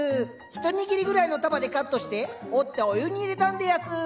一握りぐらいの束でカットして折ってお湯に入れたんでやす。